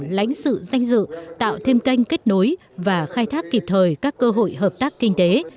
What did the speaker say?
lãnh sự danh dự tạo thêm kênh kết nối và khai thác kịp thời các cơ hội hợp tác kinh tế